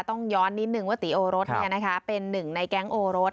ต้องย้อนนิดนึงว่าตีโอรสเป็นหนึ่งในแก๊งโอรส